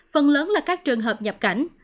phần lớn là các trường hợp nhập cảnh